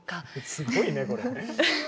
すごいねこれ。